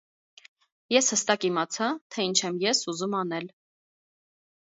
Ես հստակ իմացա, թե ինչ եմ ես ուզում անել։